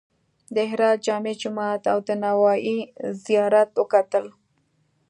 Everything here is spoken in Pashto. د هرات جامع جومات او د نوایي زیارت وکتل.